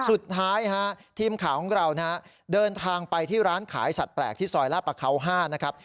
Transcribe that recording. สุดท้ายฮะทีมข่าวของเรานะฮะเดินทางไปที่ร้านขายสัตวแปลกที่ซอยลาดประเขา๕นะครับ